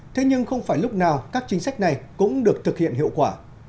thế nhưng không phải lúc nào các chính sách này cũng được thực hiện hiệu quả